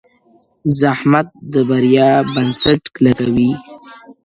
زحمت د بریا بنسټ کلکوي’